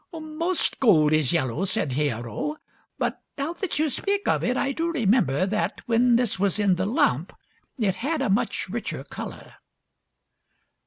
"Most gold is yellow," said Hiero; "but now that you speak of it I do remember that when this was in the lump it had a much richer color."